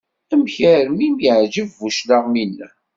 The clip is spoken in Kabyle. Amek armi i am-yeɛǧeb bu claɣem-ina?